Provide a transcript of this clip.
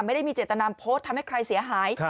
ไม่ได้มีเจตนาโพสต์ทำให้ใครเสียหาย